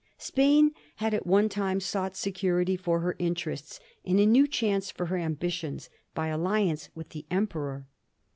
Spain had at one time sought security for her interests, and a new chance for her ambitions, by alliance with the Emperor.